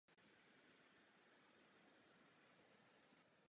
Princ zůstal nezvěstný.